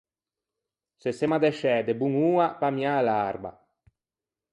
Se semmo addesciæ de bonn’oa pe ammiâ l’arba.